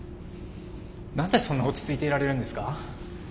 何でそんな落ち着いていられるんですか。